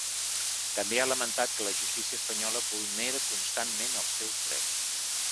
També ha lamentat que la justícia espanyola vulnera constantment els seus drets.